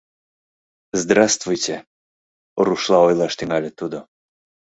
— Здравствуйте! — рушла ойлаш тӱҥале тудо.